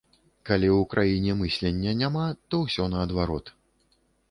Калі ў краіне мыслення няма, то ўсё наадварот.